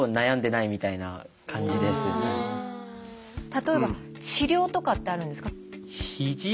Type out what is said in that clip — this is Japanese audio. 例えば治療とかってあるんですか？